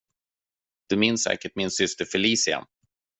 Du minns säkert min syster Felicia.